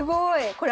これ。